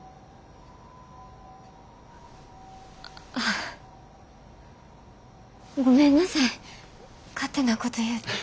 ああごめんなさい勝手なこと言うて。